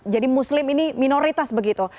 jadi muslim ini minoritas begitu